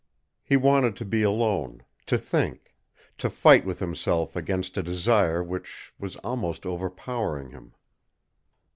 He wanted to be alone, to think, to fight with himself against a desire which was almost overpowering him.